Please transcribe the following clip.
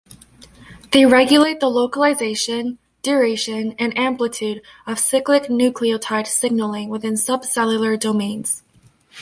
They regulate the localization, duration, and amplitude of cyclic nucleotide signaling within subcellular domains.